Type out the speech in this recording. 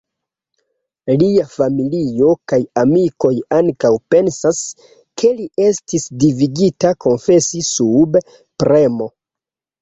Lia familio kaj amikoj ankaŭ pensas, ke li estis devigita konfesi sub premo.